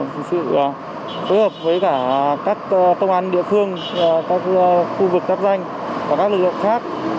sự phối hợp với các công an địa phương các khu vực gấp danh và các lực lượng khác